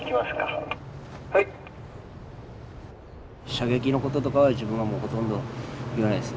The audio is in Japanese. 射撃のこととかは自分はもうほとんど言わないです。